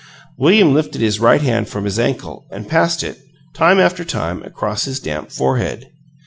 William lifted his right hand from his ankle and passed it, time after time, across his damp forehead.